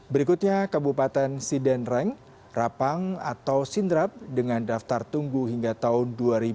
berikutnya kabupaten sidenreng rapang atau sindrap dengan daftar tunggu hingga tahun dua ribu dua puluh